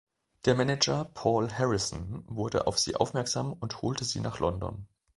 Der Manager Paul Harrison wurde auf sie aufmerksam und holte sie nach London.